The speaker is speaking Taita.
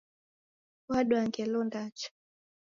Wadwa ngelo ndacha